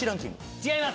違います。